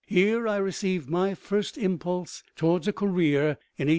Here I received my first impulse toward a career in 1875 6.